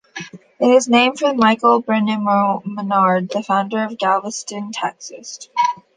It is named for Michel Branamour Menard, the founder of Galveston, Texas.